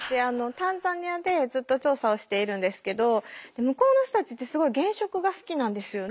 タンザニアでずっと調査をしているんですけど向こうの人たちってすごい原色が好きなんですよね。